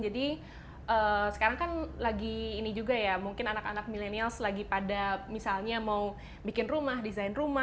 jadi sekarang kan lagi ini juga ya mungkin anak anak milenial lagi pada misalnya mau bikin rumah desain rumah